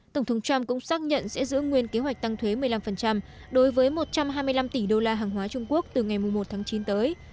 tổng thống trump cũng xác nhận sẽ giữ nguyên kế hoạch tăng thuế một mươi năm đối với một trăm hai mươi năm tỷ đô la hàng hóa trung quốc từ ngày một tháng chín tới